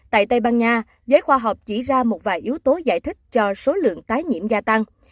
tại tây ban nha giới khoa học chỉ ra một vài yếu tố giải thích cho số lượng tái nhiễm gia tăng